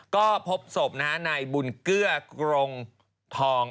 ก็พบศพนะฮะนายบุญเกื้อกรงทอง